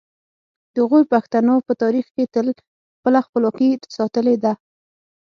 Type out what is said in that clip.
د غور پښتنو په تاریخ کې تل خپله خپلواکي ساتلې ده